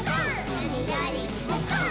うみよりむこう！？」